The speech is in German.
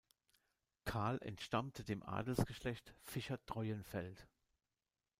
Karl entstammte dem Adelsgeschlecht Fischer-Treuenfeld.